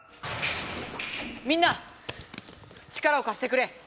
みんな力をかしてくれ！